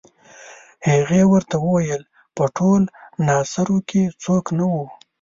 هغې ورته وویل په ټول ناصرو کې څوک نه وو.